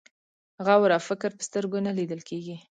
غور او فکر په سترګو نه لیدل کېږي.